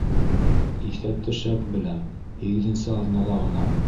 Иҫәпте шәп беләм - һигеҙенсе аҙнала ғына.